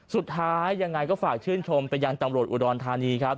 สุดท้ายยังไงก็ฝากชื่นชมไปยังตำรวจอุดรธานีครับ